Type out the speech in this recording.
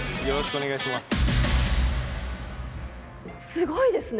すごいですね。